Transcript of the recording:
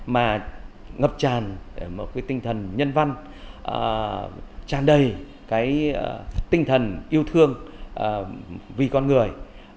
mà ngập tràn một cái tinh thần nhân văn tràn đầy cái tinh thần yêu thương vì con người